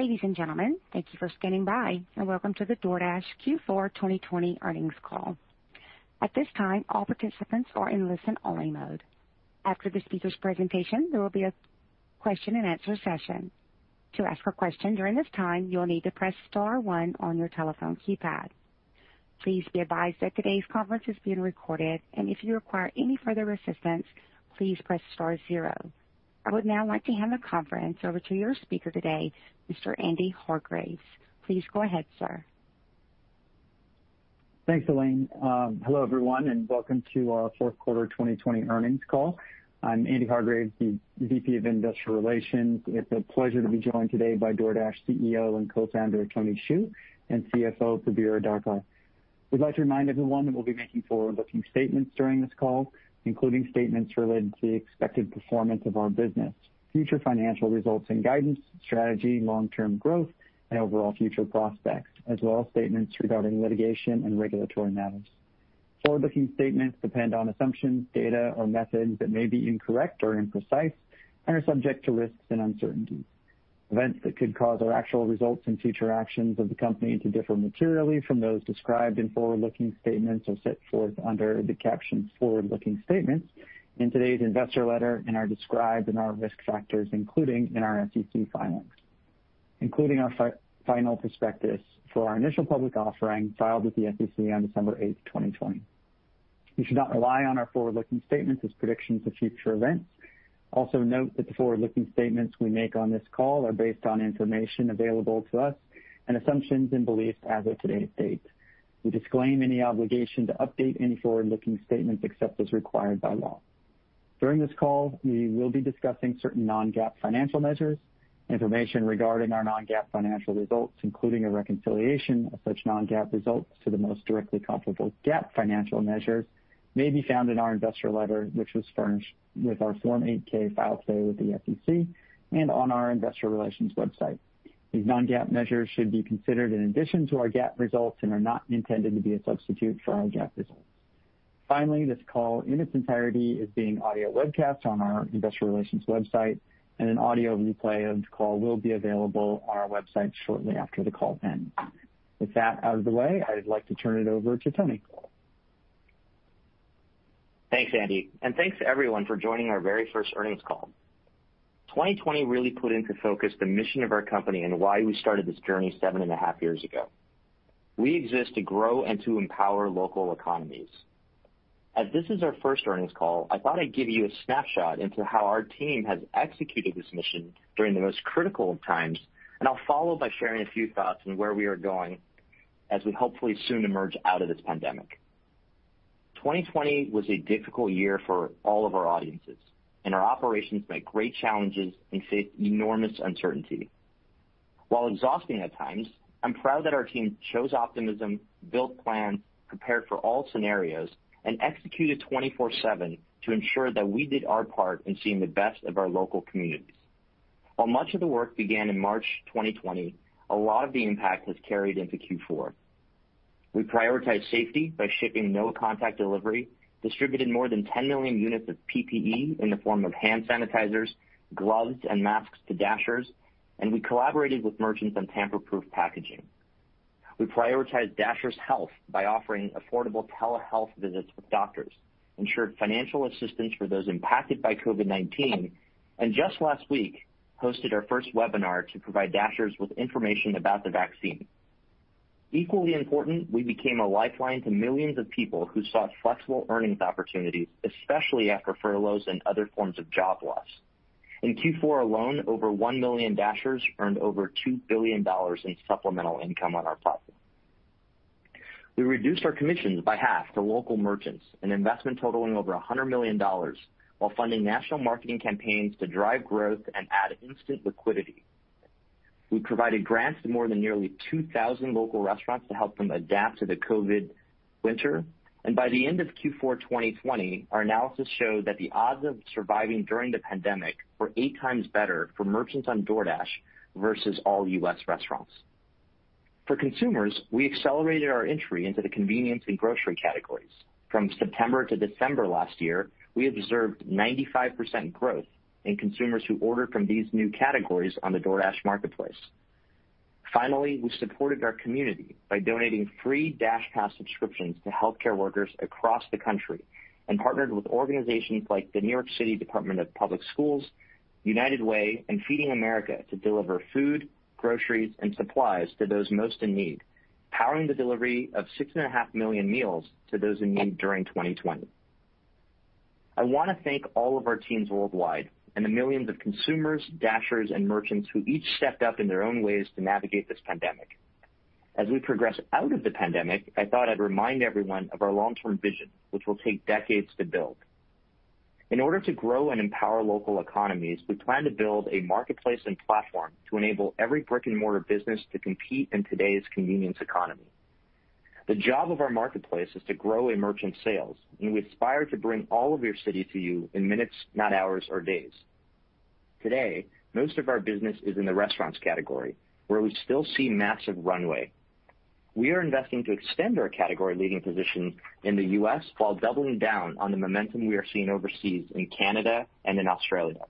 Ladies and gentlemen, thank you for standing by, and welcome to the DoorDash Q4 2020 earnings call. At this time, all participants are in listen-only mode. After the speakers' presentation, there will be a Q&A session. To ask a question during this time, you will need to press star one on your telephone keypad. Please be advised that today's conference is being recorded, and if you require any further assistance, please press star zero. I would now like to hand the conference over to your speaker today, Mr. Andy Hargreaves. Please go ahead, sir. Thanks, Elaine. Hello, everyone, and welcome to our fourth quarter 2020 earnings call. I'm Andy Hargreaves, the VP of Investor Relations. It's a pleasure to be joined today by DoorDash CEO and Co-Founder, Tony Xu, and CFO, Prabir Adarkar. We'd like to remind everyone that we'll be making forward-looking statements during this call, including statements related to the expected performance of our business, future financial results and guidance, strategy, long-term growth, and overall future prospects, as well as statements regarding litigation and regulatory matters. Forward-looking statements depend on assumptions, data, or methods that may be incorrect or imprecise, and are subject to risks and uncertainties. Events that could cause our actual results and future actions of the company to differ materially from those described in forward-looking statements are set forth under the caption 'forward-looking statements' in today's investor letter and are described in our risk factors, including in our SEC filings, including our final prospectus for our initial public offering filed with the SEC on December 8th, 2020. You should not rely on our forward-looking statements as predictions of future events. Also note that the forward-looking statements we make on this call are based on information available to us and assumptions and beliefs as of today's date. We disclaim any obligation to update any forward-looking statements, except as required by law. During this call, we will be discussing certain non-GAAP financial measures. Information regarding our non-GAAP financial results, including a reconciliation of such non-GAAP results to the most directly comparable GAAP financial measures, may be found in our investor letter, which was furnished with our Form 8-K filed today with the SEC and on our investor relations website. These non-GAAP measures should be considered in addition to our GAAP results and are not intended to be a substitute for our GAAP results. Finally, this call in its entirety is being audio webcast on our investor relations website, and an audio replay of this call will be available on our website shortly after the call ends. With that out of the way, I'd like to turn it over to Tony. Thanks, Andy, thanks to everyone for joining our very first earnings call. 2020 really put into focus the mission of our company and why we started this journey seven and a half years ago. We exist to grow and to empower local economies. As this is our first earnings call, I thought I'd give you a snapshot into how our team has executed this mission during the most critical of times, and I'll follow by sharing a few thoughts on where we are going as we hopefully soon emerge out of this pandemic. 2020 was a difficult year for all of our audiences, and our operations met great challenges and faced enormous uncertainty. While exhausting at times, I'm proud that our team chose optimism, built plans, prepared for all scenarios, and executed 24/7 to ensure that we did our part in seeing the best of our local communities. While much of the work began in March 2020, a lot of the impact has carried into Q4. We prioritized safety by shipping no-contact delivery, distributed more than 10 million units of PPE in the form of hand sanitizers, gloves, and masks to Dashers, and we collaborated with merchants on tamper-proof packaging. We prioritized Dashers' health by offering affordable telehealth visits with doctors, ensured financial assistance for those impacted by COVID-19, and just last week, hosted our first webinar to provide Dashers with information about the vaccine. Equally important, we became a lifeline to millions of people who sought flexible earnings opportunities, especially after furloughs and other forms of job loss. In Q4 alone, over 1 million Dashers earned over $2 billion in supplemental income on our platform. We reduced our commissions by half to local merchants, an investment totaling over $100 million, while funding national marketing campaigns to drive growth and add instant liquidity. We provided grants to more than 2,000 local restaurants to help them adapt to the COVID winter. By the end of Q4 2020, our analysis showed that the odds of surviving during the pandemic were eight times better for merchants on DoorDash versus all U.S. restaurants. For consumers, we accelerated our entry into the convenience and grocery categories. From September to December last year, we observed 95% growth in consumers who ordered from these new categories on the DoorDash marketplace. Finally, we supported our community by donating free DashPass subscriptions to healthcare workers across the country and partnered with organizations like the New York City Department of Public Schools, United Way, and Feeding America to deliver food, groceries, and supplies to those most in need, powering the delivery of 6.5 million meals to those in need during 2020. I want to thank all of our teams worldwide and the millions of consumers, Dashers, and merchants who each stepped up in their own ways to navigate this pandemic. As we progress out of the pandemic, I thought I'd remind everyone of our long-term vision, which will take decades to build. In order to grow and empower local economies, we plan to build a marketplace and platform to enable every brick-and-mortar business to compete in today's convenience economy. The job of our marketplace is to grow merchant sales. We aspire to bring all of your city to you in minutes, not hours or days. Today, most of our business is in the restaurants category, where we still see massive runway. We are investing to extend our category leading position in the U.S., while doubling down on the momentum we are seeing overseas in Canada and in Australia.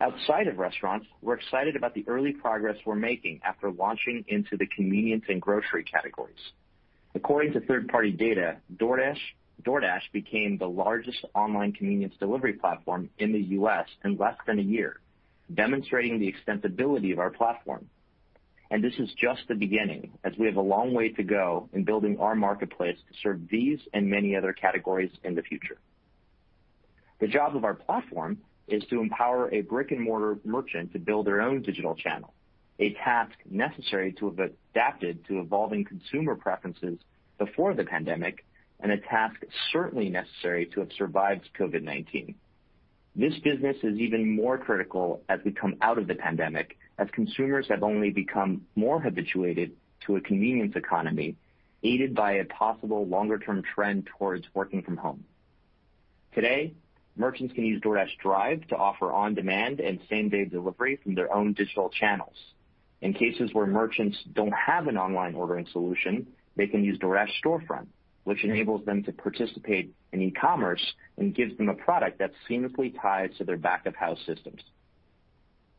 Outside of restaurants, we're excited about the early progress we're making after launching into the convenience and grocery categories. According to third-party data, DoorDash became the largest online convenience delivery platform in the U.S. in less than a year, demonstrating the extensibility of our platform. This is just the beginning, as we have a long way to go in building our marketplace to serve these and many other categories in the future. The job of our platform is to empower a brick-and-mortar merchant to build their own digital channel, a task necessary to have adapted to evolving consumer preferences before the pandemic, and a task certainly necessary to have survived COVID-19. This business is even more critical as we come out of the pandemic, as consumers have only become more habituated to a convenience economy, aided by a possible longer-term trend towards working from home. Today, merchants can use DoorDash Drive to offer on-demand and same-day delivery from their own digital channels. In cases where merchants don't have an online ordering solution, they can use DoorDash Storefront, which enables them to participate in e-commerce and gives them a product that seamlessly ties to their back-of-house systems.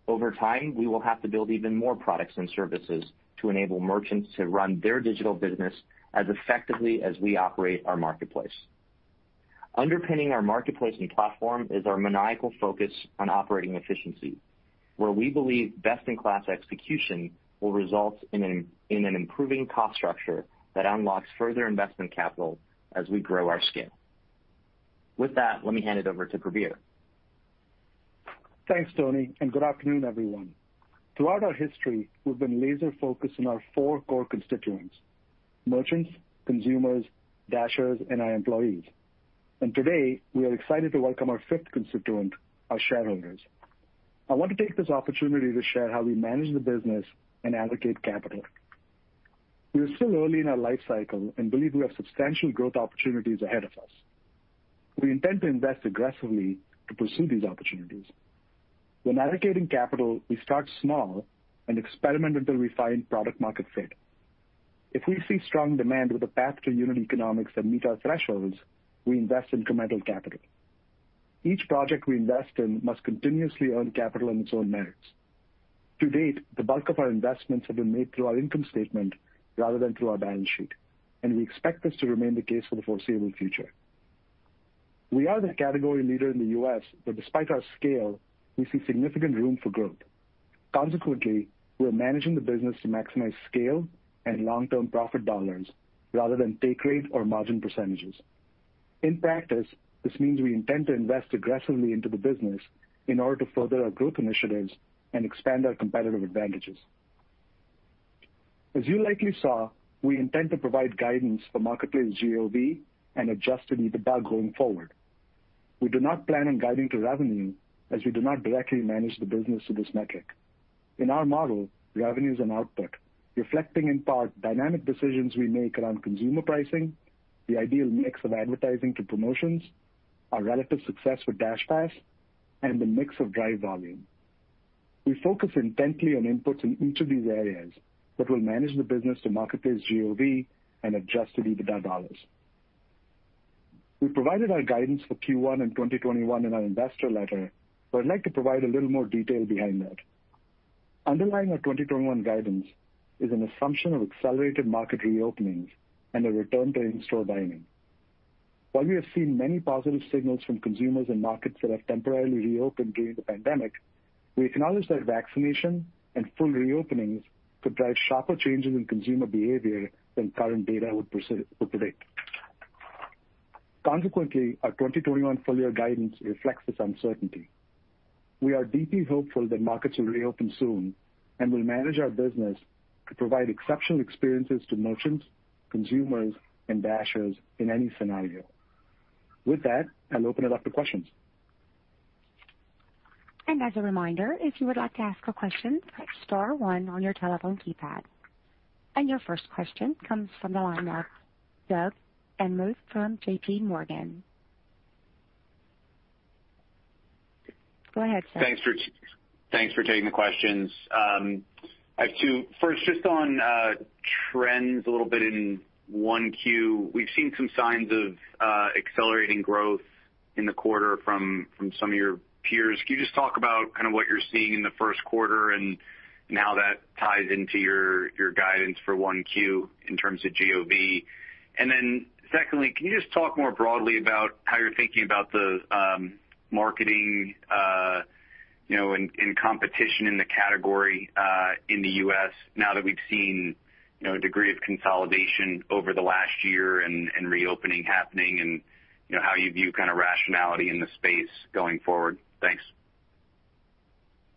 Over time, we will have to build even more products and services to enable merchants to run their digital business as effectively as we operate our marketplace. Underpinning our marketplace and platform is our maniacal focus on operating efficiency, where we believe best-in-class execution will result in an improving cost structure that unlocks further investment capital as we grow our scale. With that, let me hand it over to Prabir. Thanks, Tony. Good afternoon, everyone. Throughout our history, we've been laser focused on our four core constituents, merchants, consumers, Dashers, and our employees. Today, we are excited to welcome our fifth constituent, our shareholders. I want to take this opportunity to share how we manage the business and allocate capital. We are still early in our life cycle and believe we have substantial growth opportunities ahead of us. We intend to invest aggressively to pursue these opportunities. When allocating capital, we start small and experiment until we find product market fit. If we see strong demand with a path to unit economics that meet our thresholds, we invest incremental capital. Each project we invest in must continuously earn capital on its own merits. To date, the bulk of our investments have been made through our income statement rather than through our balance sheet. We expect this to remain the case for the foreseeable future. We are the category leader in the U.S. Despite our scale, we see significant room for growth. Consequently, we are managing the business to maximize scale and long-term profit dollars rather than take rate or margin percentage. In practice, this means we intend to invest aggressively into the business in order to further our growth initiatives and expand our competitive advantages. As you likely saw, we intend to provide guidance for marketplace GOV and adjusted EBITDA going forward. We do not plan on guiding to revenue, as we do not directly manage the business to this metric. In our model, revenue is an output, reflecting in part dynamic decisions we make around consumer pricing, the ideal mix of advertising to promotions, our relative success with DashPass, and the mix of Drive volume. We focus intently on inputs in each of these areas, but we'll manage the business to marketplace GOV and adjusted EBITDA dollars. We provided our guidance for Q1 in 2021 in our investor letter, but I'd like to provide a little more detail behind that. Underlying our 2021 guidance is an assumption of accelerated market reopenings and a return to in-store dining. While we have seen many positive signals from consumers and markets that have temporarily reopened during the pandemic, we acknowledge that vaccination and full reopenings could drive sharper changes in consumer behavior than current data would predict. Consequently, our 2021 full-year guidance reflects this uncertainty. We are deeply hopeful that markets will reopen soon and will manage our business to provide exceptional experiences to merchants, consumers, and Dashers in any scenario. With that, I'll open it up to questions. As a reminder, if you would like to ask a question, press star one on your telephone keypad. Your first question comes from the line of Doug Anmuth from JPMorgan. Go ahead, sir. Thanks for taking the questions. I have two. First, just on trends a little bit in 1Q. We've seen some signs of accelerating growth in the quarter from some of your peers. Can you just talk about what you're seeing in the first quarter and how that ties into your guidance for 1Q in terms of GOV? Secondly, can you just talk more broadly about how you're thinking about the marketing, and competition in the category, in the U.S. now that we've seen a degree of consolidation over the last year and reopening happening, and how you view kind of rationality in the space going forward? Thanks.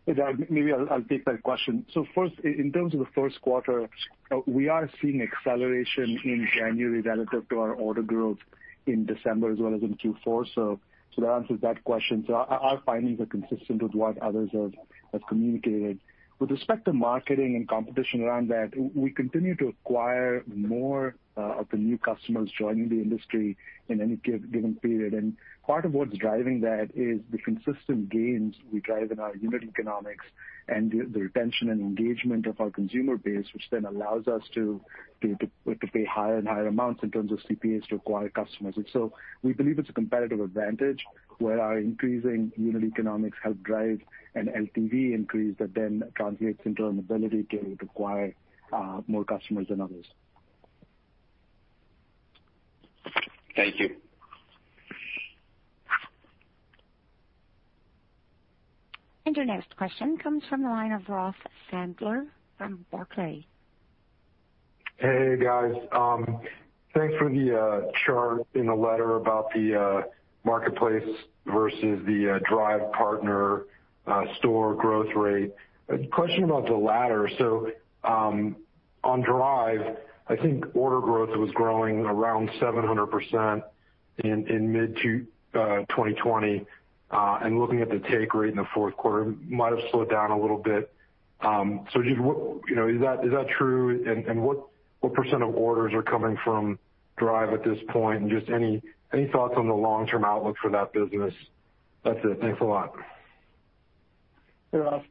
Hey, Doug, maybe I'll take that question. First, in terms of the first quarter, we are seeing acceleration in January relative to our order growth in December as well as in Q4, so that answers that question. With respect to marketing and competition around that, we continue to acquire more of the new customers joining the industry in any given period. Part of what's driving that is the consistent gains we drive in our unit economics and the retention and engagement of our consumer base, which then allows us to pay higher and higher amounts in terms of CPAs to acquire customers. We believe it's a competitive advantage where our increasing unit economics help drive an LTV increase that then translates into an ability to acquire more customers than others. Thank you. Your next question comes from the line of Ross Sandler from Barclays. Hey, guys. Thanks for the chart in the letter about the marketplace versus the Drive partner store growth rate. A question about the latter. On Drive, I think order growth was growing around 700% in mid-2020, and looking at the take rate in the fourth quarter, might have slowed down a little bit. Just is that true, and what percent of orders are coming from Drive at this point? Just any thoughts on the long-term outlook for that business? That's it. Thanks a lot. Hey, Ross.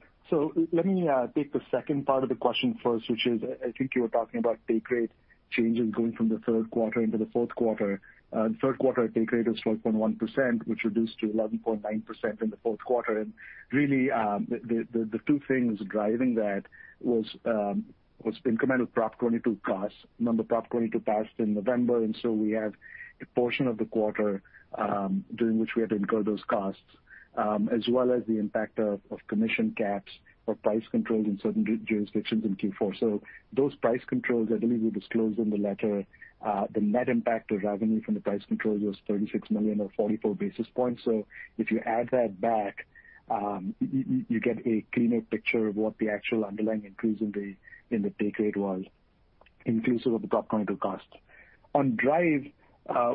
Let me take the second part of the question first, which is, I think you were talking about take rate changes going from the third quarter into the fourth quarter. In the third quarter, take rate was 12.1%, which reduced to 11.9% in the fourth quarter, and really, the two things driving that was incremental Proposition 22 costs. Remember, Proposition 22 passed in November, and so we have a portion of the quarter during which we had to incur those costs, as well as the impact of commission caps or price controls in certain jurisdictions in Q4. Those price controls, I believe we disclosed in the letter, the net impact to revenue from the price controls was $36 million or 44 basis points. If you add that back, you get a cleaner picture of what the actual underlying increase in the take rate was, inclusive of the Proposition 22 costs. On Drive,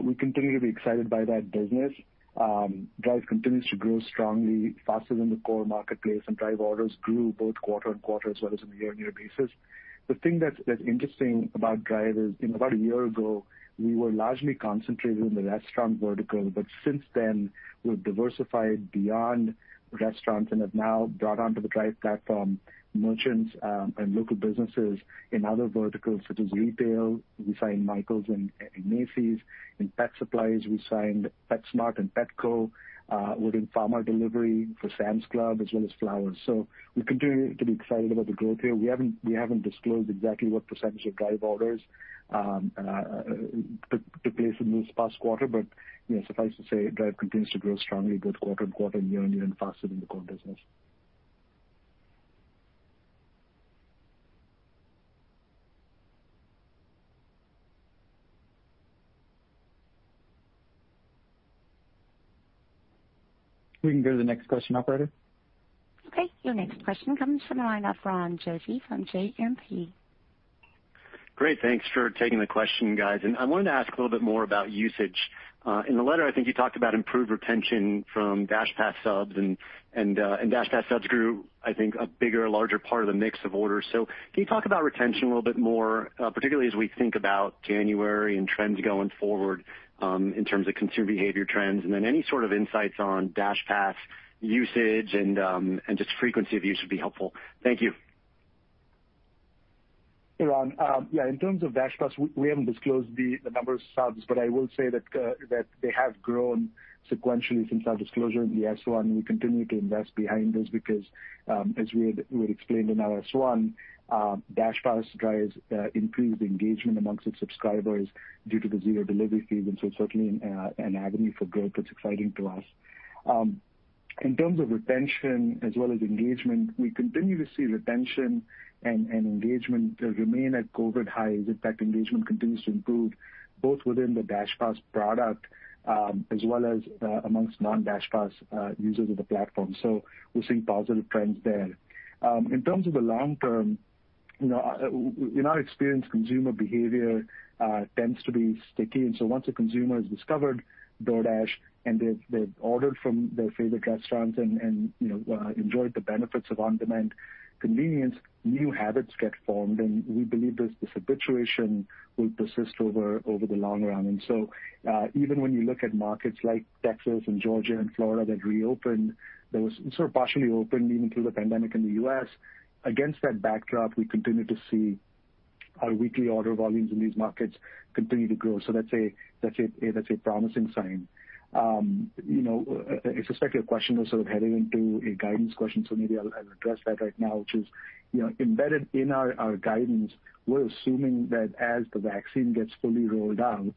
we continue to be excited by that business. Drive continues to grow strongly, faster than the core marketplace, and Drive orders grew both quarter-over-quarter as well as on a year-over-year basis. The thing that's interesting about Drive is, about a year ago, we were largely concentrated in the restaurant vertical. Since then, we've diversified beyond restaurants and have now brought onto the Drive platform merchants and local businesses in other verticals such as retail. We signed Michaels and Macy's. In pet supplies, we signed PetSmart and Petco. We're doing pharma delivery for Sam's Club as well as flowers. We continue to be excited about the growth here. We haven't disclosed exactly what percent of Drive orders took place in this past quarter. Suffice to say, Drive continues to grow strongly, both quarter-on-quarter and year-on-year, and faster than the core business. We can go to the next question, operator. Okay, your next question comes from the line of Ron Josey from JMP. Great. Thanks for taking the question, guys. I wanted to ask a little bit more about usage. In the letter, I think you talked about improved retention from DashPass subs, and DashPass subs grew, I think, a bigger, larger part of the mix of orders. Can you talk about retention a little bit more, particularly as we think about January and trends going forward in terms of consumer behavior trends? Any sort of insights on DashPass usage and just frequency of use would be helpful. Thank you. Hey, Ron. Yeah, in terms of DashPass, we haven't disclosed the number of subs. I will say that they have grown sequentially since our disclosure in the S-1. We continue to invest behind this because, as we had explained in our S-1, DashPass drives increased engagement amongst its subscribers due to the zero delivery fee. It's certainly an avenue for growth that's exciting to us. In terms of retention as well as engagement, we continue to see retention and engagement remain at COVID highs. In fact, engagement continues to improve both within the DashPass product as well as amongst non-DashPass users of the platform. We're seeing positive trends there. In terms of the long term, in our experience, consumer behavior tends to be sticky, and so once a consumer has discovered DoorDash and they've ordered from their favorite restaurants and enjoyed the benefits of on-demand convenience, new habits get formed, and we believe this habituation will persist over the long run. Even when you look at markets like Texas and Georgia and Florida that reopened, that were sort of partially open even through the pandemic in the U.S., against that backdrop, we continue to see our weekly order volumes in these markets continue to grow. That's a promising sign. I suspect your question was sort of heading into a guidance question, so maybe I'll address that right now, which is embedded in our guidance, we're assuming that as the vaccine gets fully rolled out,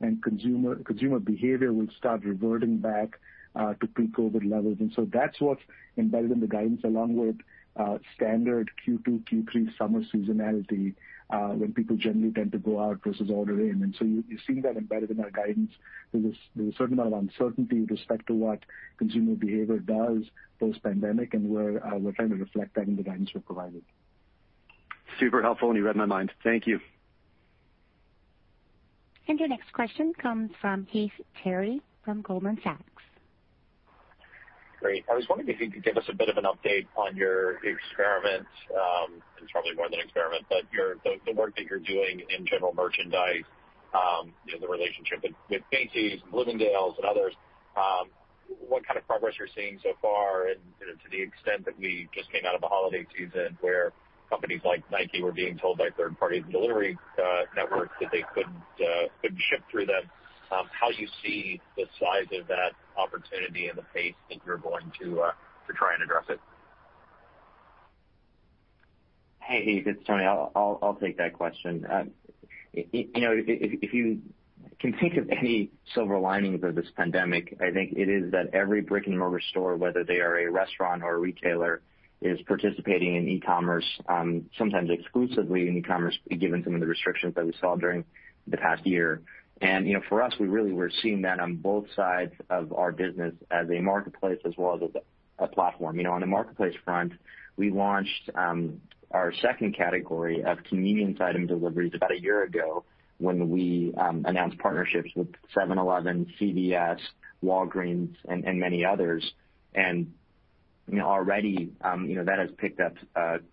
then consumer behavior will start reverting back to pre-COVID levels, and so that's what's embedded in the guidance along with standard Q2, Q3 summer seasonality, when people generally tend to go out versus order in. You're seeing that embedded in our guidance. There's a certain amount of uncertainty with respect to what consumer behavior does post-pandemic, and we're trying to reflect that in the guidance we've provided. Super helpful, and you read my mind. Thank you. Your next question comes from Heath Terry from Goldman Sachs. Great. I was wondering if you could give us a bit of an update on your experiment, it's probably more than an experiment, but the work that you're doing in general merchandise, the relationship with Macy's and Bloomingdale's and others, what kind of progress you're seeing so far, to the extent that we just came out of a holiday season where companies like Nike were being told by third-party delivery networks that they couldn't ship through them, how you see the size of that opportunity and the pace that you're going to try and address it? Hey, Heath, it's Tony. I'll take that question. If you can think of any silver linings of this pandemic, I think it is that every brick-and-mortar store, whether they are a restaurant or a retailer, is participating in e-commerce, sometimes exclusively in e-commerce, given some of the restrictions that we saw during the past year. For us, we really were seeing that on both sides of our business as a marketplace as well as a platform. On the marketplace front, we launched our second category of convenience item deliveries about a year ago when we announced partnerships with 7-Eleven, CVS, Walgreens, and many others. Already, that has picked up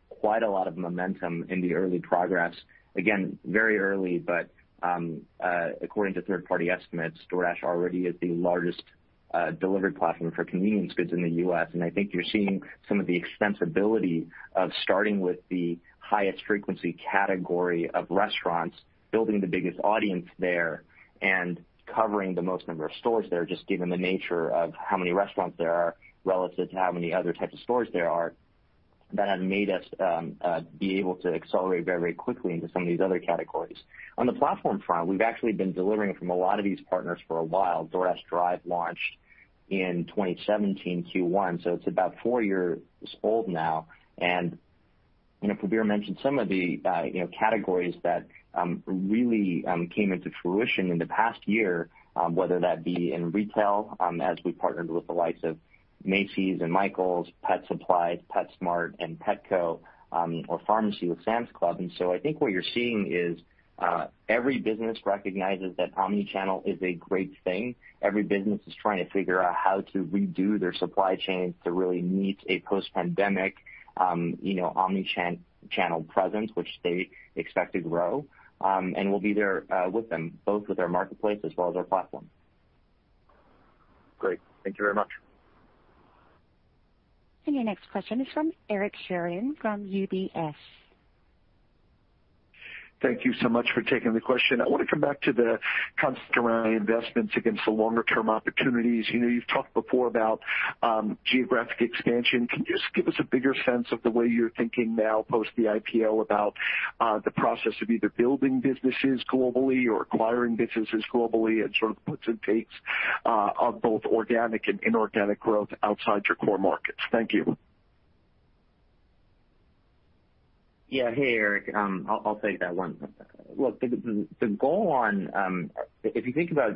quite a lot of momentum in the early progress. Again, very early, but according to third-party estimates, DoorDash already is the largest delivery platform for convenience goods in the U.S. I think you're seeing some of the extensibility of starting with the highest frequency category of restaurants, building the biggest audience there, and covering the most number of stores there, just given the nature of how many restaurants there are relative to how many other types of stores there are, that have made us be able to accelerate very, very quickly into some of these other categories. On the platform front, we've actually been delivering from a lot of these partners for a while. DoorDash Drive launched in 2017 Q1, so it's about four years old now. Prabir mentioned some of the categories that really came into fruition in the past year, whether that be in retail, as we partnered with the likes of Macy's and Michaels, Pet Supplies, PetSmart, and Petco, or pharmacy with Sam's Club. I think what you're seeing is every business recognizes that omni-channel is a great thing. Every business is trying to figure out how to redo their supply chains to really meet a post-pandemic omni-channel presence, which they expect to grow. We'll be there with them, both with our marketplace as well as our platform. Great. Thank you very much. Your next question is from Eric Sheridan from UBS. Thank you so much for taking the question. I want to come back to the constant around investments against the longer-term opportunities. You've talked before about geographic expansion. Can you just give us a bigger sense of the way you're thinking now, post the IPO, about the process of either building businesses globally or acquiring businesses globally and sort of the puts and takes of both organic and inorganic growth outside your core markets? Thank you. Yeah. Hey, Eric, I'll take that one. Look, if you think about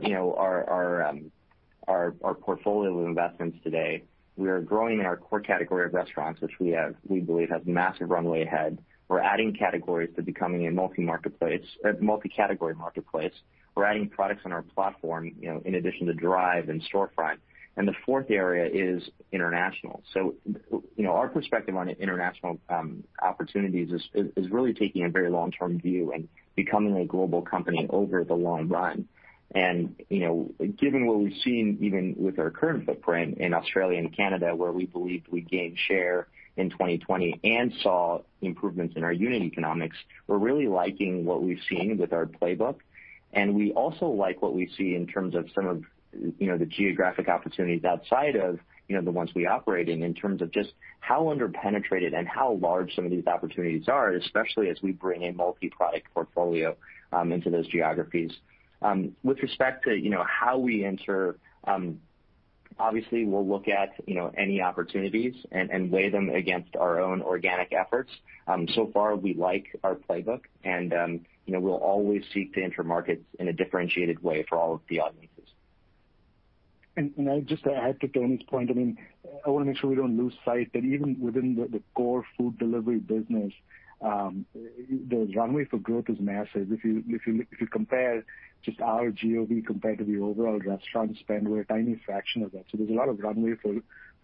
our portfolio of investments today, we are growing in our core category of restaurants, which we believe has massive runway ahead. We're adding categories to becoming a multi-category marketplace. We're adding products on our platform, in addition to Drive and Storefront. The fourth area is international. Our perspective on international opportunities is really taking a very long-term view and becoming a global company over the long run. Given what we've seen, even with our current footprint in Australia and Canada, where we believe we gained share in 2020 and saw improvements in our unit economics, we're really liking what we've seen with our playbook, and we also like what we see in terms of some of the geographic opportunities outside of the ones we operate in terms of just how under-penetrated and how large some of these opportunities are, especially as we bring a multi-product portfolio into those geographies. With respect to how we enter, obviously we'll look at any opportunities and weigh them against our own organic efforts. So far, we like our playbook, and we'll always seek to enter markets in a differentiated way for all of the audiences. Just to add to Tony's point, I want to make sure we don't lose sight that even within the core food delivery business, the runway for growth is massive. If you compare just our GOV compared to the overall restaurant spend, we're a tiny fraction of that. There's a lot of runway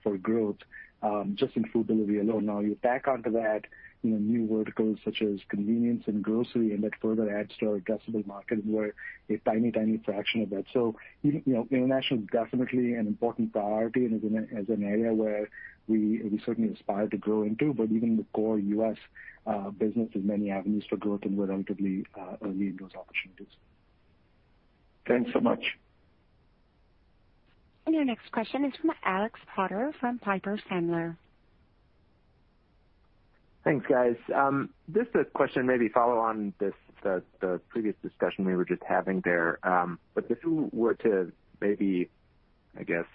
for growth just in food delivery alone. Now, you tack onto that new verticals such as convenience and grocery, and that further adds to our addressable market. We're a tiny fraction of that. International is definitely an important priority and is an area where we certainly aspire to grow into, but even the core U.S. business has many avenues for growth, and we're relatively early in those opportunities. Thanks so much. Your next question is from Alex Potter from Piper Sandler. Thanks, guys. Just a question, maybe follow on the previous discussion we were just having there. If you were to maybe, I guess,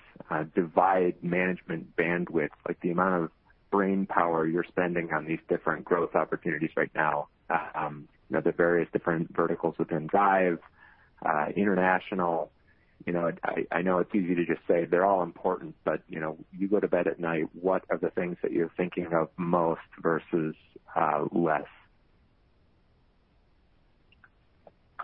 divide management bandwidth, like the amount of brainpower you're spending on these different growth opportunities right now, the various different verticals within Drive, international, I know it's easy to just say they're all important, but you go to bed at night, what are the things that you're thinking of most versus less?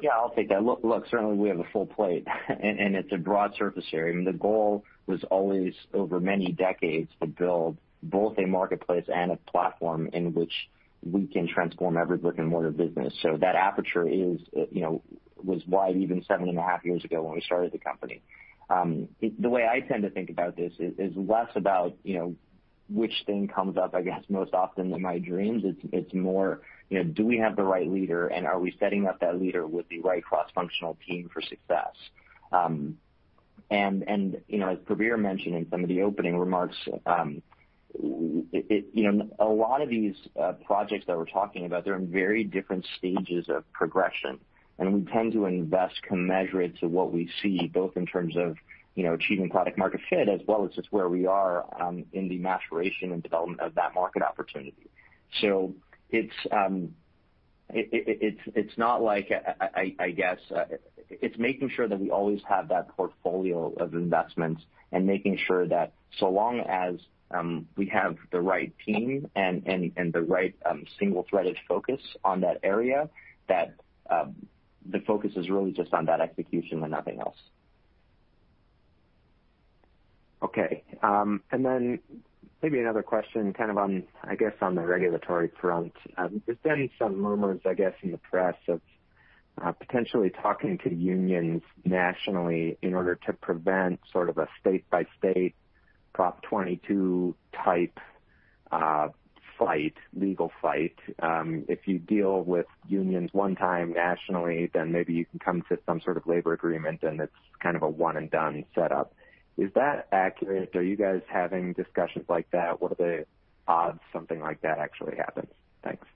Yeah, I'll take that. Look, certainly, we have a full plate, and it's a broad surface area. The goal was always, over many decades, to build both a marketplace and a platform in which we can transform every brick-and-mortar business. That aperture was wide even seven and a half years ago when we started the company. The way I tend to think about this is less about which thing comes up, I guess, most often in my dreams. It's more, do we have the right leader, and are we setting up that leader with the right cross-functional team for success? As Prabir mentioned in some of the opening remarks, a lot of these projects that we're talking about, they're in very different stages of progression. We tend to invest commensurate to what we see, both in terms of achieving product market fit as well as just where we are in the maturation and development of that market opportunity. It's making sure that we always have that portfolio of investments and making sure that so long as we have the right team and the right single-threaded focus on that area, that the focus is really just on that execution and nothing else. Okay. Maybe another question, I guess, on the regulatory front. There's been some rumors, I guess, in the press of potentially talking to unions nationally in order to prevent sort of a state-by-state Proposition 22-type legal fight. If you deal with unions one time nationally, then maybe you can come to some sort of labor agreement, and it's kind of a one-and-done setup. Is that accurate? Are you guys having discussions like that? What are the odds something like that actually happens? Thanks.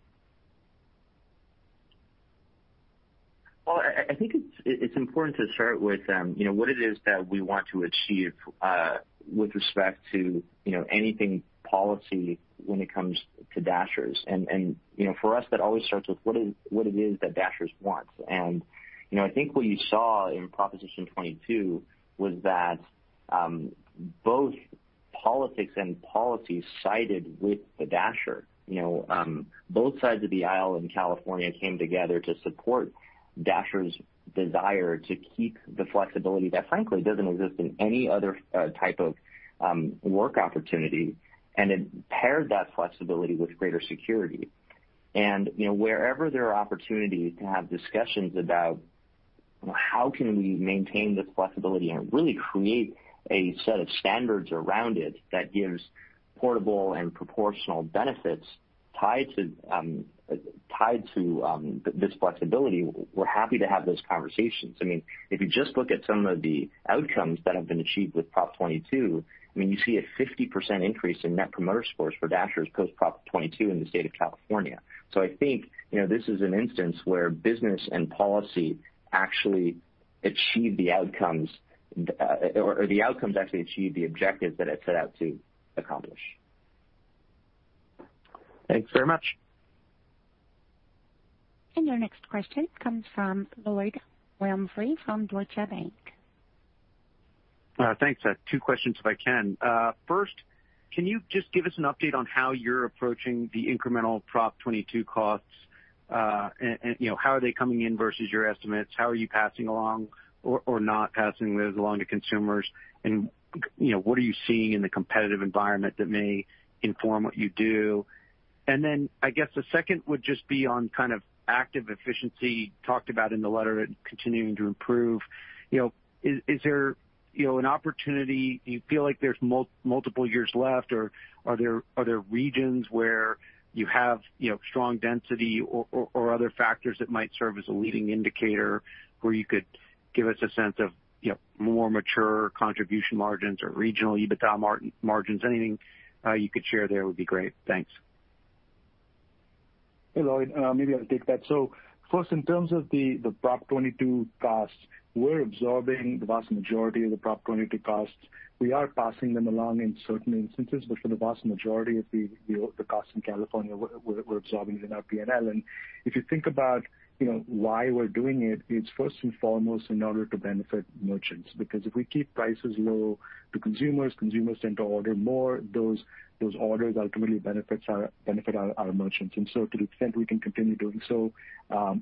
Well, I think it's important to start with what it is that we want to achieve with respect to anything policy when it comes to Dashers. For us, that always starts with what it is that Dashers want. I think what you saw in Proposition 22 was that both politics and policy sided with the Dasher. Both sides of the aisle in California came together to support Dashers' desire to keep the flexibility that frankly doesn't exist in any other type of work opportunity, and it paired that flexibility with greater security. Wherever there are opportunities to have discussions about how can we maintain the flexibility and really create a set of standards around it that gives portable and proportional benefits tied to this flexibility, we're happy to have those conversations. If you just look at some of the outcomes that have been achieved with Proposition 22, you see a 50% increase in Net Promoter Score for Dashers post Proposition 22 in the state of California. I think this is an instance where business and policy actually achieve the outcomes, or the outcomes actually achieve the objectives that it set out to accomplish. Thanks very much. Your next question comes from Lloyd Walmsley from Deutsche Bank. Thanks. Two questions, if I can. First, can you just give us an update on how you're approaching the incremental Proposition 22 costs? How are they coming in versus your estimates? How are you passing along or not passing those along to consumers? What are you seeing in the competitive environment that may inform what you do? I guess the second would just be on kind of active efficiency talked about in the letter continuing to improve. Is there an opportunity? Do you feel like there's multiple years left, or are there regions where you have strong density or other factors that might serve as a leading indicator where you could give us a sense of more mature contribution margins or regional EBITDA margins? Anything you could share there would be great. Thanks. Hey, Lloyd. Maybe I'll take that. First, in terms of the Proposition 22 costs, we're absorbing the vast majority of the Proposition 22 costs. We are passing them along in certain instances, but for the vast majority of the costs in California, we're absorbing them in our P&L. If you think about why we're doing it's first and foremost in order to benefit merchants, because if we keep prices low to consumers tend to order more. Those orders ultimately benefit our merchants, and so to the extent we can continue doing so,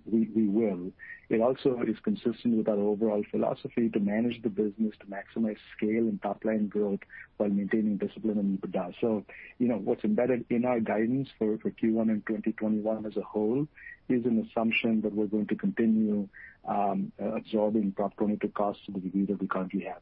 we will. It also is consistent with our overall philosophy to manage the business, to maximize scale and top-line growth while maintaining discipline on EBITDA. What's embedded in our guidance for Q1 and 2021 as a whole is an assumption that we're going to continue absorbing Proposition 22 costs to the degree that we currently have.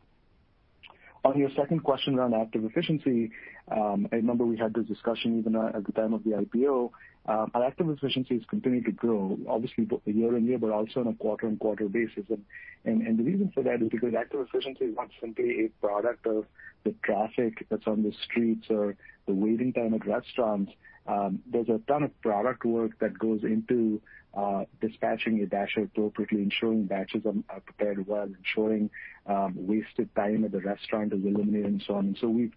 On your second question around active efficiency, I remember we had this discussion even at the time of the IPO. Our active efficiency has continued to grow, obviously, year-on-year, but also on a quarter-on-quarter basis. The reason for that is because active efficiency is not simply a product of the traffic that's on the streets or the waiting time at restaurants. There's a ton of product work that goes into dispatching a Dasher appropriately, ensuring Dashers are prepared well, ensuring wasted time at the restaurant is eliminated, and so on.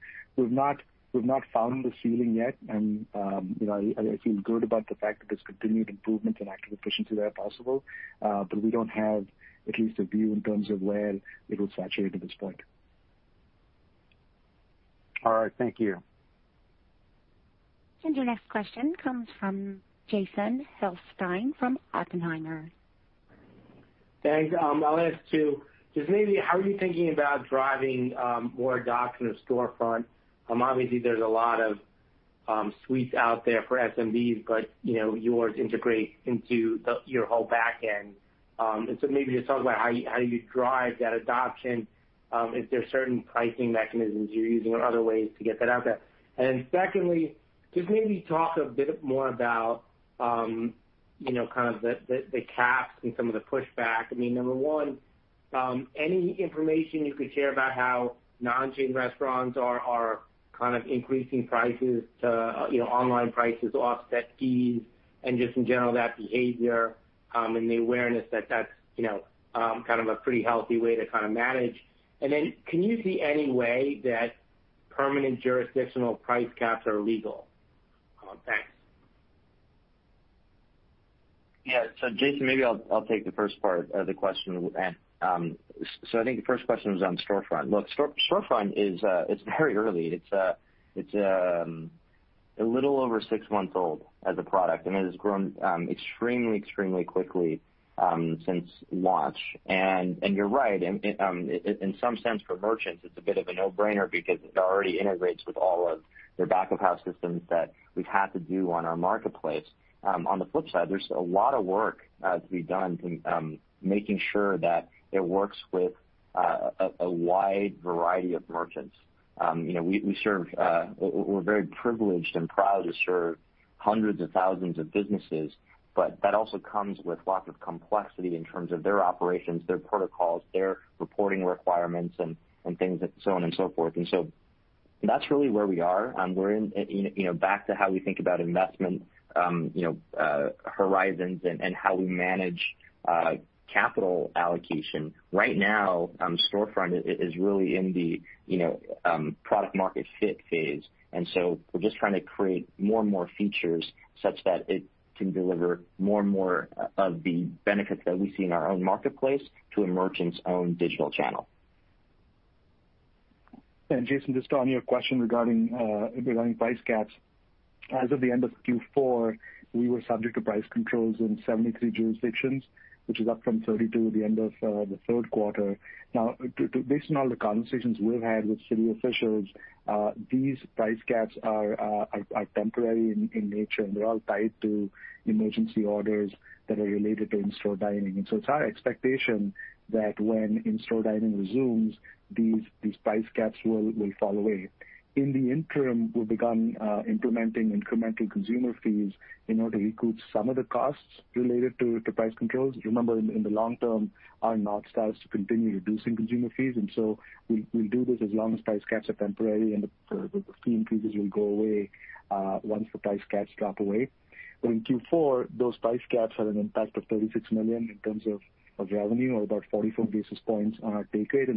We've not found the ceiling yet, and I feel good about the fact that there's continued improvement in active efficiency where possible. We don't have at least a view in terms of where it will saturate at this point. All right, thank you. Your next question comes from Jason Helfstein from Oppenheimer. Thanks. I'll ask two. Just maybe, how are you thinking about driving more adoption of Storefront? Obviously, there's a lot of suites out there for SMBs, but yours integrate into your whole backend. Maybe just talk about how you drive that adoption. If there's certain pricing mechanisms you're using or other ways to get that out there. Secondly, just maybe talk a bit more about. Kind of the caps and some of the pushback. Number one, any information you could share about how non-chain restaurants are increasing online prices to offset fees and just in general, that behavior, and the awareness that's a pretty healthy way to manage. Can you see any way that permanent jurisdictional price caps are legal? Thanks. Yeah. Jason, maybe I'll take the first part of the question. I think the first question was on Storefront. Look, Storefront is very early. It's a little over six months old as a product, and it has grown extremely quickly since launch. You're right, in some sense for merchants, it's a bit of a no-brainer because it already integrates with all of their back-of-house systems that we've had to do on our marketplace. On the flip side, there's a lot of work to be done to making sure that it works with a wide variety of merchants. We're very privileged and proud to serve hundreds of thousands of businesses, but that also comes with lots of complexity in terms of their operations, their protocols, their reporting requirements and things, and so on and so forth. That's really where we are. Back to how we think about investment horizons and how we manage capital allocation. Right now, Storefront is really in the product market fit phase. We're just trying to create more and more features such that it can deliver more and more of the benefits that we see in our own marketplace to a merchant's own digital channel. Jason, just on your question regarding price caps. As of the end of Q4, we were subject to price controls in 73 jurisdictions, which is up from 32 at the end of the third quarter. Based on all the conversations we've had with city officials, these price caps are temporary in nature, and they're all tied to emergency orders that are related to in-store dining. It's our expectation that when in-store dining resumes, these price caps will fall away. In the interim, we've begun implementing incremental consumer fees in order to recoup some of the costs related to price controls. Remember, in the long term, our north star is to continue reducing consumer fees, and so we'll do this as long as price caps are temporary, and the fee increases will go away once the price caps drop away. In Q4, those price caps had an impact of $36 million in terms of revenue or about 44 basis points on our take rate.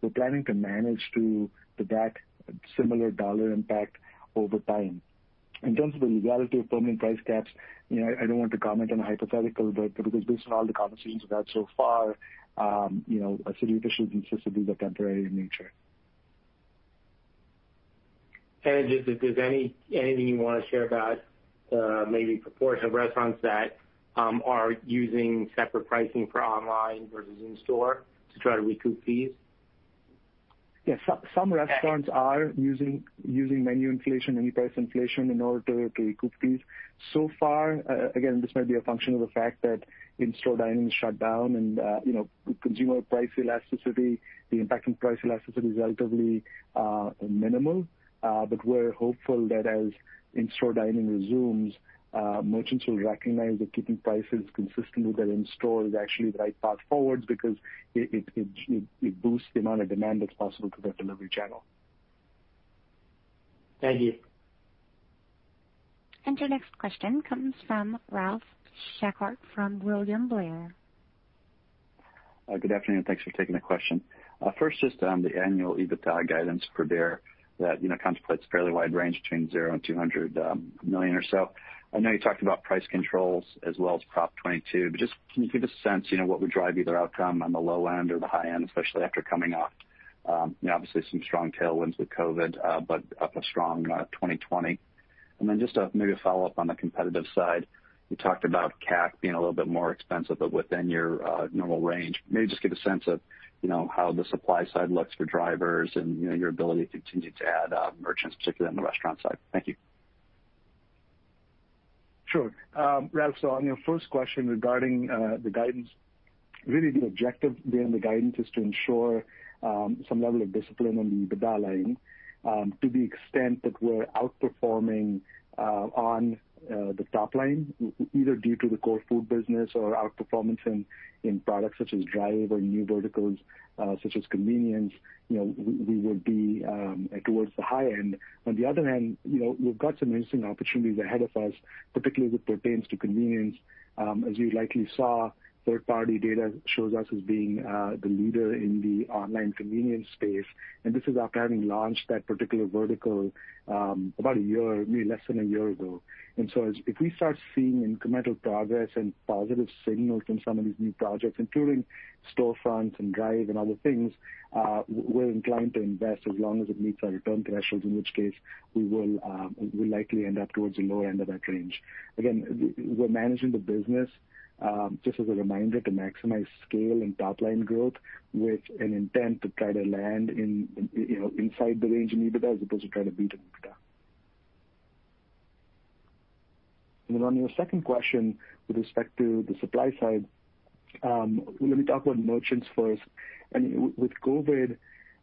We're planning to manage to that similar dollar impact over time. In terms of the legality of permanent price caps, I don't want to comment on a hypothetical. Because based on all the conversations we've had so far, a city official insists these are temporary in nature. Just if there's anything you want to share about maybe proportion of restaurants that are using separate pricing for online versus in store to try to recoup fees? Yeah. Some restaurants are using menu inflation and price inflation in order to recoup fees. So far, again, this might be a function of the fact that in-store dining is shut down and consumer price elasticity, the impact on price elasticity is relatively minimal. We're hopeful that as in-store dining resumes, merchants will recognize that keeping prices consistent with their in-store is actually the right path forward because it boosts the amount of demand that's possible through their delivery channel. Thank you. Your next question comes from Ralph Schackart from William Blair. Good afternoon. Thanks for taking the question. First, on the annual EBITDA guidance for DoorDash, that contemplates a fairly wide range between 0 and $200 million or so. I know you talked about price controls as well as Proposition 22, but just can you give a sense, what would drive either outcome on the low end or the high end, especially after coming off, obviously some strong tailwinds with COVID, but up a strong 2020. Then just maybe a follow-up on the competitive side. You talked about CAC being a little bit more expensive, but within your normal range. Maybe just give a sense of how the supply side looks for drivers and your ability to continue to add merchants, particularly on the restaurant side. Thank you. Sure. Ralph, on your first question regarding the guidance, really the objective there on the EBITDA line, to the extent that we're outperforming on the top line, either due to the core food business or outperformance in products such as Drive or new verticals such as convenience, we will be towards the high end. On the other hand, we've got some interesting opportunities ahead of us, particularly as it pertains to convenience. As you likely saw, third-party data shows us as being the leader in the online convenience space, and this is after having launched that particular vertical about a year, maybe less than a year ago. If we start seeing incremental progress and positive signals in some of these new projects, including Storefront and Drive and other things, we're inclined to invest as long as it meets our return thresholds, in which case we will likely end up towards the lower end of that range. Again, we're managing the business, just as a reminder, to maximize scale and top-line growth with an intent to try to land inside the range in EBITDA, as opposed to trying to beat EBITDA. On your second question with respect to the supply side. Let me talk about merchants first. With COVID,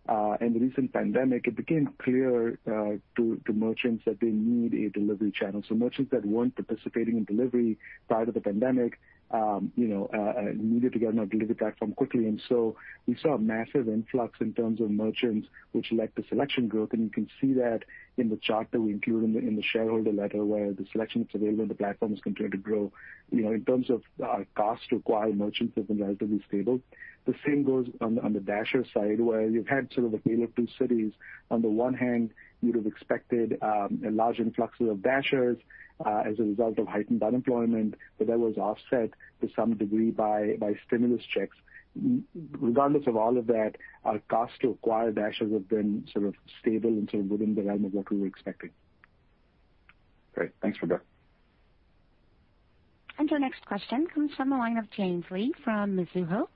and the recent pandemic, it became clear to merchants that they need a delivery channel. Merchants that weren't participating in delivery prior to the pandemic needed to get on a delivery platform quickly. We saw a massive influx in terms of merchants, which led to selection growth. You can see that in the chart that we include in the shareholder letter, where the selection that's available on the platform has continued to grow. In terms of our cost to acquire merchants, has been relatively stable. The same goes on the Dasher side, where you've had sort of a tale of two cities. On the one hand, you'd have expected a large influx of Dashers as a result of heightened unemployment, but that was offset to some degree by stimulus checks. Regardless of all of that, our cost to acquire Dashers have been stable and within the realm of what we were expecting. Great. Thanks, Prabir. Our next question comes from the line of James Lee from Mizuho.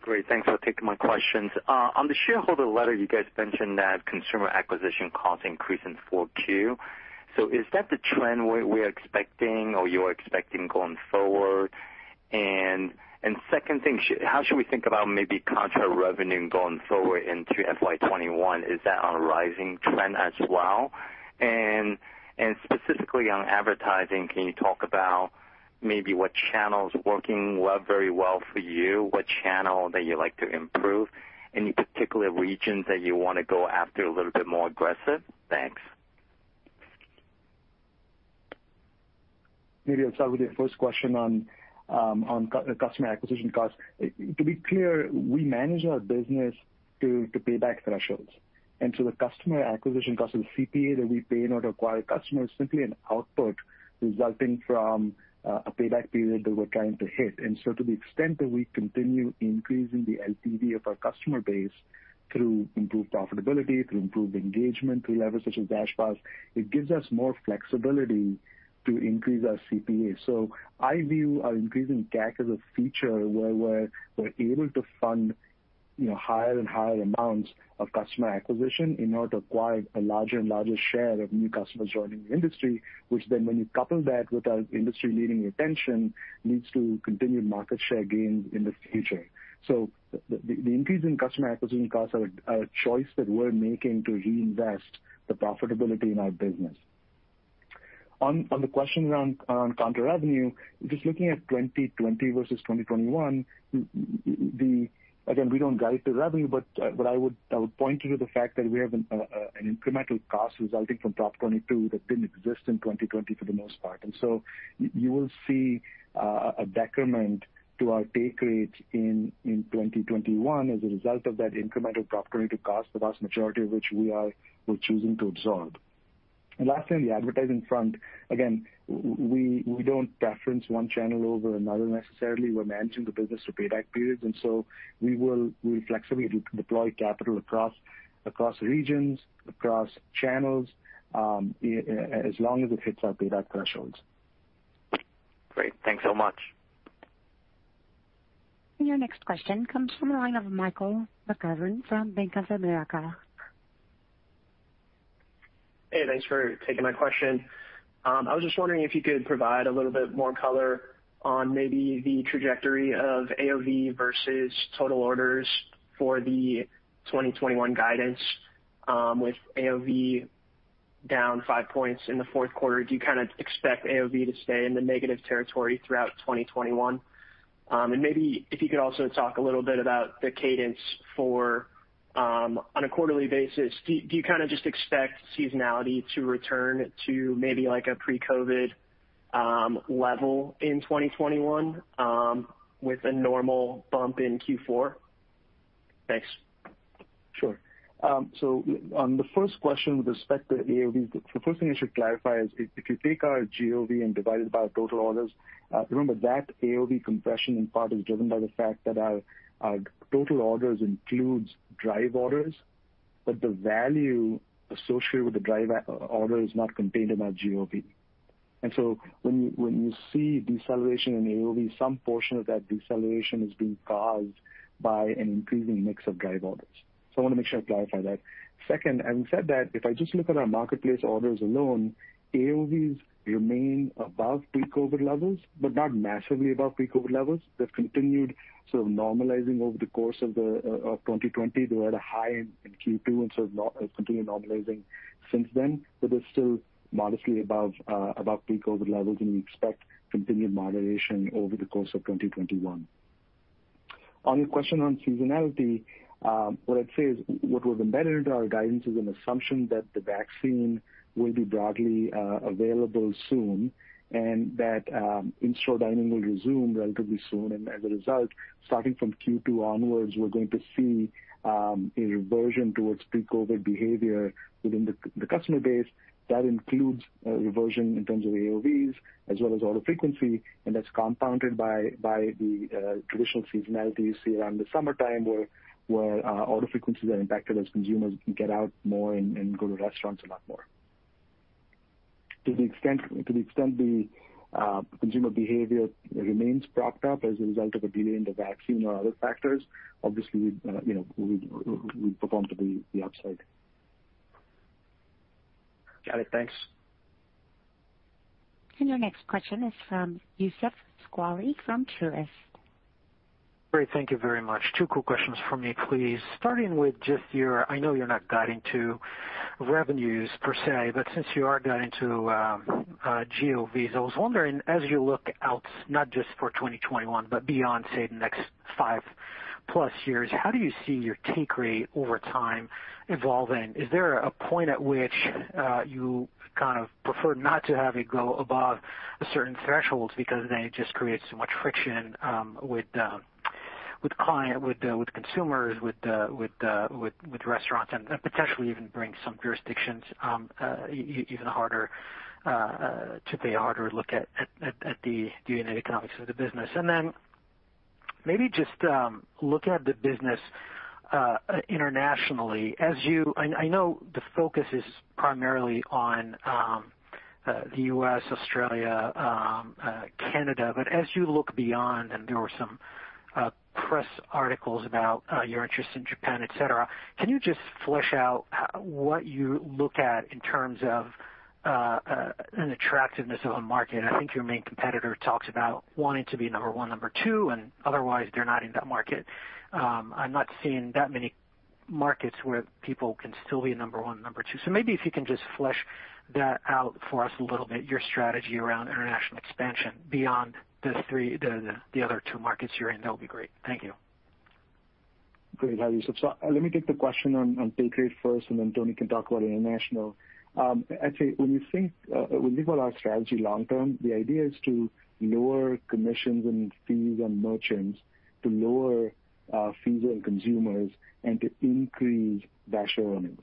Great. Thanks for taking my questions. On the shareholder letter, you guys mentioned that consumer acquisition costs increased in 4Q. Is that the trend we're expecting or you're expecting going forward? Second thing, how should we think about maybe contra revenue going forward into FY 2021? Is that on a rising trend as well? Specifically on advertising, can you talk about maybe what channels working very well for you, what channel that you'd like to improve? Any particular regions that you want to go after a little bit more aggressive? Thanks. Maybe I'll start with your first question on customer acquisition costs. To be clear, we manage our business to payback thresholds, the customer acquisition cost of CPA that we pay in order to acquire customers is simply an output resulting from a payback period that we're trying to hit. To the extent that we continue increasing the LTV of our customer base through improved profitability, through improved engagement through levels such as DashPass, it gives us more flexibility to increase our CPA. I view our increasing CAC as a feature where we're able to fund higher and higher amounts of customer acquisition in order to acquire a larger and larger share of new customers joining the industry, which then when you couple that with our industry-leading retention, leads to continued market share gains in the future. The increase in customer acquisition costs are a choice that we're making to reinvest the profitability in our business. On the question around contra revenue, just looking at 2020 versus 2021, again, we don't guide to revenue, but what I would point you to the fact that we have an incremental cost resulting from Proposition 22 that didn't exist in 2020 for the most part. You will see a decrement to our take rate in 2021 as a result of that incremental Proposition 22 cost, the vast majority of which we're choosing to absorb. Lastly, on the advertising front, again, we don't preference one channel over another necessarily. We're managing the business for payback periods, and so we will flexibly deploy capital across regions, across channels, as long as it hits our payback thresholds. Great. Thanks so much. Your next question comes from the line of Michael McGovern from Bank of America. Hey, thanks for taking my question. I was just wondering if you could provide a little bit more color on maybe the trajectory of AOV versus total orders for the 2021 guidance, with AOV down five points in the fourth quarter. Do you kind of expect AOV to stay in the negative territory throughout 2021? Maybe if you could also talk a little bit about the cadence for, on a quarterly basis, do you kind of just expect seasonality to return to maybe like a pre-COVID level in 2021, with a normal bump in Q4? Thanks. Sure. On the first question with respect to AOVs, the first thing I should clarify is if you take our GOV and divide it by our total orders, remember that AOV compression in part is driven by the fact that our total orders includes Drive orders, but the value associated with the Drive order is not contained in our GOV. When you see deceleration in AOV, some portion of that deceleration is being caused by an increasing mix of Drive orders. I want to make sure I clarify that. Second, having said that, if I just look at our marketplace orders alone, AOVs remain above pre-COVID levels, but not massively above pre-COVID levels. They've continued sort of normalizing over the course of 2020. They were at a high in Q2 and sort of continuing normalizing since then, but they're still modestly above pre-COVID levels, and we expect continued moderation over the course of 2021. On your question on seasonality, what I'd say is what was embedded into our guidance is an assumption that the vaccine will be broadly available soon, and that in-store dining will resume relatively soon. As a result, starting from Q2 onwards, we're going to see a reversion towards pre-COVID behavior within the customer base. That includes a reversion in terms of AOVs as well as order frequency, and that's compounded by the traditional seasonality you see around the summertime where our order frequencies are impacted as consumers can get out more and go to restaurants a lot more. To the extent the consumer behavior remains propped up as a result of a delay in the vaccine or other factors, obviously, we'd perform to the upside. Got it. Thanks. Your next question is from Youssef Squali from Truist. Great. Thank you very much. Two quick questions from me, please. Starting with just your, I know you're not guiding to revenues per se, but since you are guiding to GOV, I was wondering, as you look out, not just for 2021, but beyond, say, the next five-plus years, how do you see your take rate over time evolving? Is there a point at which you kind of prefer not to have it go above a certain threshold because then it just creates so much friction with consumers, with restaurants, and potentially even brings some jurisdictions to take a harder look at the unit economics of the business? Maybe just looking at the business internationally. I know the focus is primarily on the U.S., Australia, Canada. As you look beyond, and there were some press articles about your interest in Japan, et cetera, can you just flesh out what you look at in terms of an attractiveness of a market? I think your main competitor talks about wanting to be number one, number two, and otherwise they're not in that market. I'm not seeing that many markets where people can still be number one or number two. Maybe if you can just flesh that out for us a little bit, your strategy around international expansion beyond the other two markets you're in, that would be great. Thank you. Great. Hi, Youssef. Let me take the question on take rate first, and then Tony can talk about international. I'd say, when we think about our strategy long term, the idea is to lower commissions and fees on merchants, to lower fees on consumers, and to increase Dasher earnings.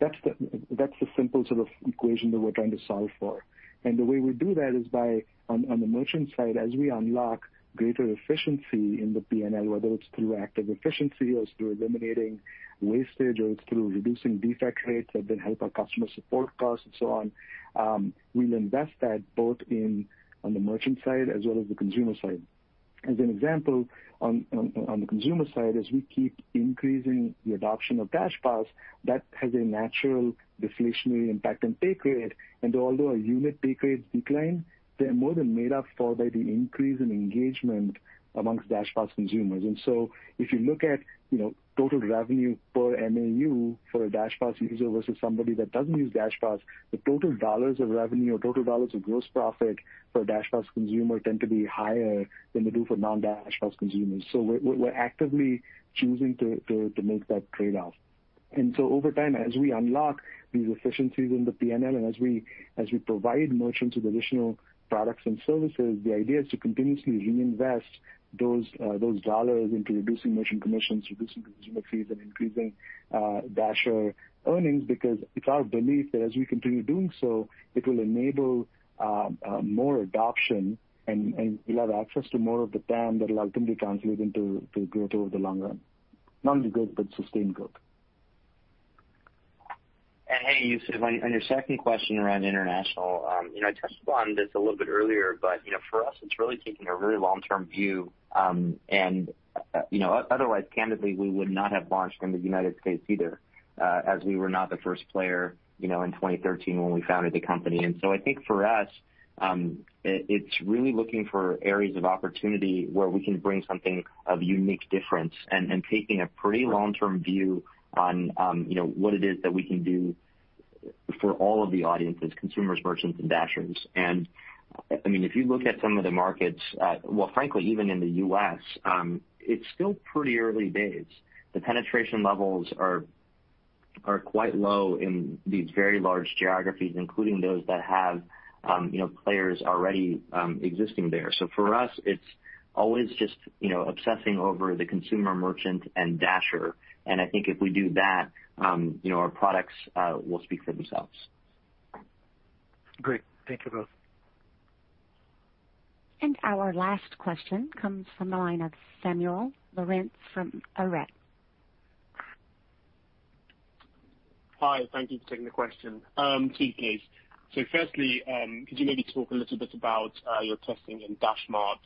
That's the simple sort of equation that we're trying to solve for. The way we do that is by, on the merchant side, as we unlock greater efficiency in the P&L, whether it's through active efficiency or it's through eliminating wastage, or it's through reducing defect rates that then help our customer support costs and so on, we'll invest that both on the merchant side as well as the consumer side. As an example, on the consumer side, as we keep increasing the adoption of DashPass, that has a natural deflationary impact on take rate. Although our unit take rates decline, they're more than made up for by the increase in engagement amongst DashPass consumers. If you look at total revenue per MAU for a DashPass user versus somebody that doesn't use DashPass, the total dollar of revenue or total dollar of gross profit for a DashPass consumer tend to be higher than they do for non-DashPass consumers. We're actively choosing to make that trade-off. Over time, as we unlock these efficiencies in the P&L, and as we provide merchants with additional products and services, the idea is to continuously reinvest those dollar into reducing merchant commissions, reducing consumer fees, and increasing Dasher earnings, because it's our belief that as we continue doing so, it will enable more adoption, and we'll have access to more of the TAM that will ultimately translate into growth over the long run. Not only growth, but sustained growth. Hey, Youssef, on your second question around international, I touched upon this a little bit earlier, but for us, it's really taking a very long-term view. Otherwise, candidly, we would not have launched in the United States either, as we were not the first player in 2013 when we founded the company. I think for us, it's really looking for areas of opportunity where we can bring something of unique difference and taking a pretty long-term view on what it is that we can do for all of the audiences, consumers, merchants, and Dashers. If you look at some of the markets, well, frankly, even in the U.S., it's still pretty early days. The penetration levels are quite low in these very large geographies, including those that have players already existing there. For us, it's always just obsessing over the consumer, merchant, and Dasher, and I think if we do that, our products will speak for themselves. Great. Thank you both. Our last question comes from the line of Samuel Lourensz from Arete. Hi. Thank you for taking the question. Two, please. Firstly, could you maybe talk a little bit about your testing in DashMart,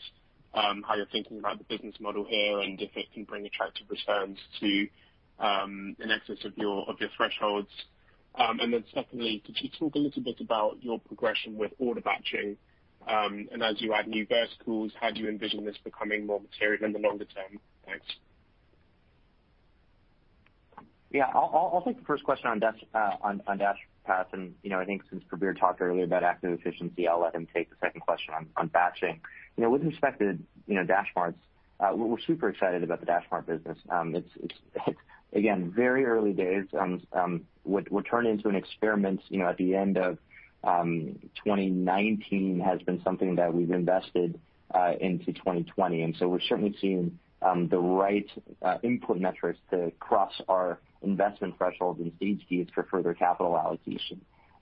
how you're thinking about the business model here, and if it can bring attractive returns in excess of your thresholds? Secondly, could you talk a little bit about your progression with order batching, and as you add new verticals, how do you envision this becoming more material in the longer term? Thanks. I'll take the first question on DashPass. I think since Prabir talked earlier about active efficiency, I'll let him take the second question on batching. With respect to DashMart, we're super excited about the DashMart business. It's, again, very early days. What turned into an experiment at the end of 2019 has been something that we've invested into 2020, we're certainly seeing the right input metrics to cross our investment thresholds and stage gates for further capital allocation.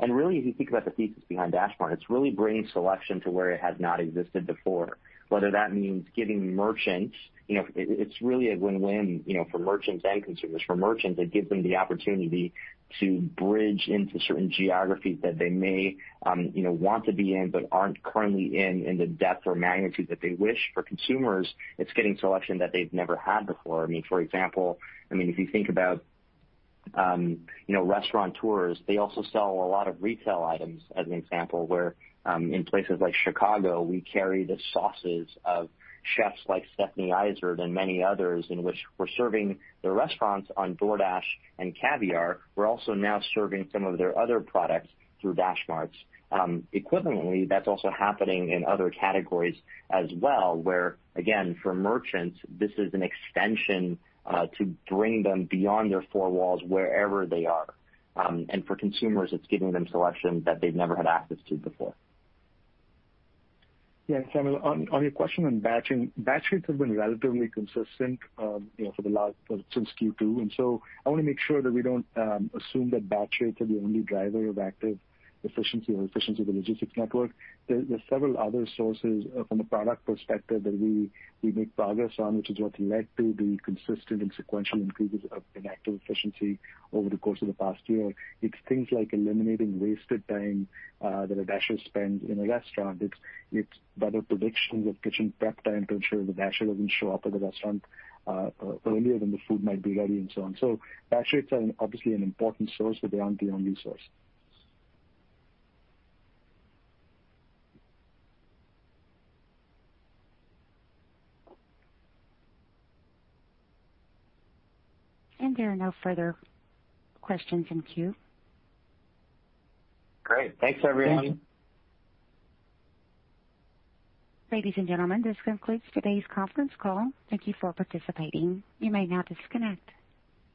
Really, if you think about the thesis behind DashMart, it's really bringing selection to where it has not existed before, whether that means giving merchants, it's really a win-win for merchants and consumers. For merchants, it gives them the opportunity to bridge into certain geographies that they may want to be in, but aren't currently in the depth or magnitude that they wish. For consumers, it's getting selection that they've never had before. For example, if you think about restaurateurs, they also sell a lot of retail items, as an example, where in places like Chicago, we carry the sauces of chefs like Stephanie Izard and many others, in which we're serving the restaurants on DoorDash and Caviar. We're also now serving some of their other products through DashMart. Equivalently, that's also happening in other categories as well, where again, for merchants, this is an extension to bring them beyond their four walls, wherever they are. For consumers, it's giving them selection that they've never had access to before. Samuel, on your question on batching, batch rates have been relatively consistent since Q2. I want to make sure that we don't assume that batch rates are the only driver of active efficiency or efficiency of the logistics network. There are several other sources from the product perspective that we make progress on, which has also led to the consistent and sequential increases in active efficiency over the course of the past year. It's things like eliminating wasted time that a Dasher spends in a restaurant. It's better predictions of kitchen prep time to ensure the Dasher doesn't show up at the restaurant earlier than the food might be ready, and so on. Batch rates are obviously an important source, but they aren't the only source. There are no further questions in queue. Great. Thanks, everyone. Ladies and gentlemen, this concludes today's conference call. Thank you for participating. You may now disconnect.